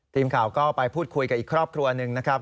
ทีมข่าวก็ไปพูดคุยกับอีกครอบครัวหนึ่งนะครับ